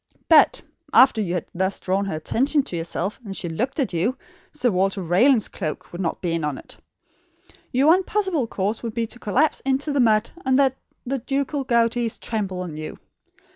But, after you had thus drawn her attention to yourself and she looked at you, Sir Walter Raleigh's cloak would not be in it! Your one possible course would be to collapse into the mud, and let the ducal "gouties" trample on you.